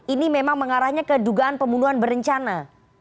ini memang mengarahnya ke dugaan pembunuhan berencana